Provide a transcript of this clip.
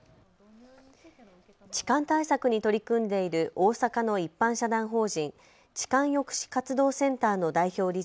痴漢対策に取り組んでいる大阪の一般社団法人、痴漢抑止活動センターの代表理事